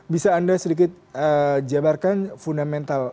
bisa anda sedikit jabarkan fundamental